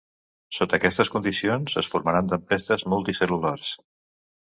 Sota aquestes condicions es formaran tempestes multicel·lulars.